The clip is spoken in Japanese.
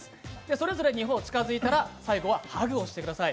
それぞれ２歩近づいたらハグをしてください。